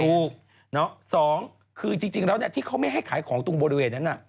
ถูก๒คือจริงแล้วที่เขาไม่ให้ขายของตรงบริเวณนั้น